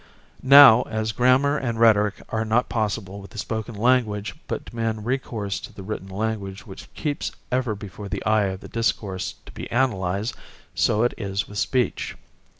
Now, as grammar and rhetoric are not possible with the spoken language but demand recourse to the written language which keeps ever before the eye the discourse to be analysed, so it is with speech.